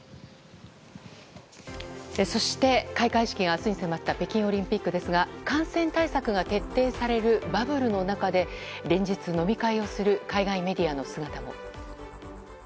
そして、開会式が明日に迫った北京オリンピックですが感染対策が徹底されるバブルの中で連日、飲み会をする海外メディアの姿も。